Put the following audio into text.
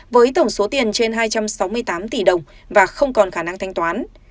với tổng số tiền trên hai trăm sáu mươi tám tỷ đồng và không còn khả năng thanh toán